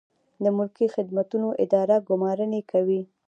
د ملکي خدمتونو اداره ګمارنې کوي